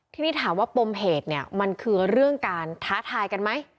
ทีนี้ถามว่าปมเหตุเนี่ยมันคือเรื่องการท้าทายกันไหม